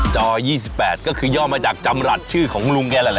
จอ๒๘บาทก็คือย่อมาจากจำหนักชื่อของลุงแกนั่นแหละ